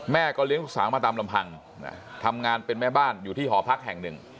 เลี้ยงลูกสาวมาตามลำพังทำงานเป็นแม่บ้านอยู่ที่หอพักแห่งหนึ่ง